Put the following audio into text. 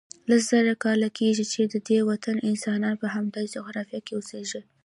لس زره کاله کېږي چې ددې وطن انسانان په همدغه جغرافیه کې اوسیږي.